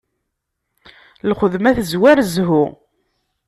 Lxedma tezwar zzhu.